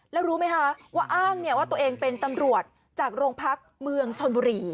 แล้วรู้ไหมคะว่าอ้างว่าตัวเองเป็นตำรวจจากโรงพักเมืองชนบุรี